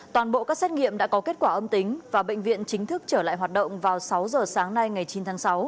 toàn bộ các xét nghiệm đã có kết quả âm tính và bệnh viện chính thức trở lại hoạt động vào sáu giờ sáng nay ngày chín tháng sáu